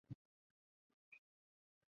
前鳃盖缺刻不显着。